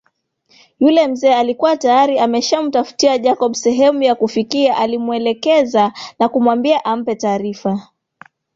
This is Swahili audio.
Yule mzee alikua tayari ameshamtafutia Jacob sehemu ya kufikia alimuelekeza na kumwambia ampe taarifa